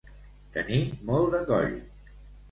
Tenir molt de coll.